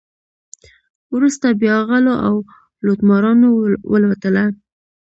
وروسته بیا غلو او لوټمارانو ولوټله.